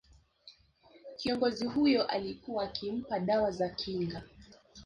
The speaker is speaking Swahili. Kiongozi huyo alikuwa akimpa dawa za kinga